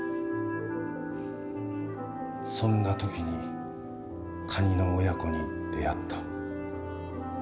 そんな時にカニの親子に出会った。